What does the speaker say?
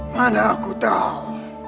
mana aku tahu